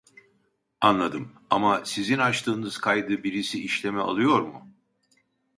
Anladım. Ama sizin açtığınız kaydı birisi işleme alıyor mu?